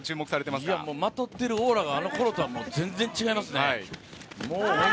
まとっているオーラがあのころとは全然違いますね。